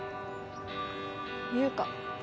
優香。